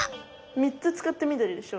３つ使ってみどりでしょ？